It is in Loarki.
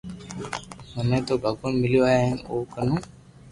مني تو ڀگوان مليو ھين ۾ او ڪنو